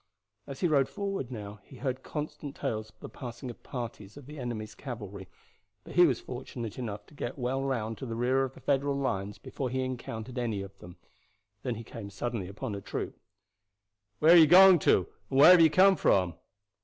As he rode forward now he heard constant tales of the passing of parties of the enemy's cavalry, but he was fortunate enough to get well round to the rear of the Federal lines before he encountered any of them. Then he came suddenly upon a troop. "Where are you going to, and where have you come from?"